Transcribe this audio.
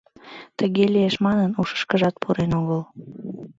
Тыге лиеш манын, ушышкыжат пурен огыл.